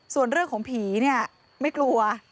ส่วนเรื่องของผีเนี่ยไม่กลัว